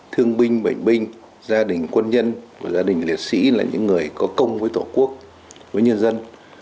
thương binh bệnh binh gia đình quân nhân và gia đình liệt sĩ là những người có công với tổ quốc với nhân dân